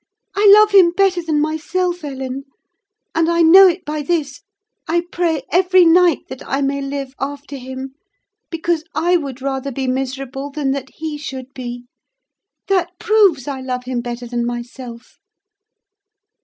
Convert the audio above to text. I love him better than myself, Ellen; and I know it by this: I pray every night that I may live after him; because I would rather be miserable than that he should be: that proves I love him better than myself."